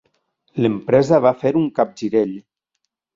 L'empresa va fer un capgirell.